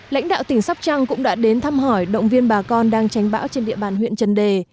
lãnh đạo tỉnh sóc trăng cũng đã đến thăm hỏi động viên bà con đang tránh bão trên địa bàn huyện trần đề